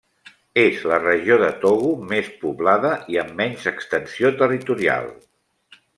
És la regió de Togo més poblada i amb menys extensió territorial.